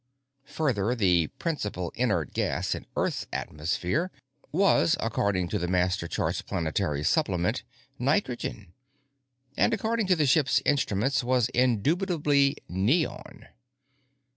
Further, the principal inert gas in Earth's atmosphere was, according to the master chart's planetary supplement, nitrogen; and according to the ship's instruments was indubitably neon.